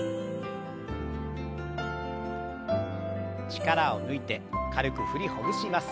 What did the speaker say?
力を抜いて軽く振りほぐします。